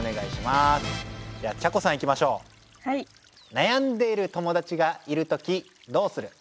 悩んでいる友だちがいるときどうする？